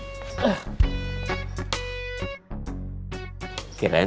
kira kamu ada di warung yang baru atukum